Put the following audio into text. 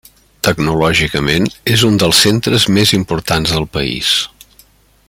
Tecnològicament és un dels centres més importants del país.